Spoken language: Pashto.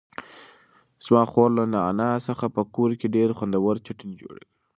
زما خور له نعناع څخه په کور کې ډېر خوندور چتني جوړوي.